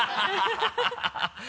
ハハハ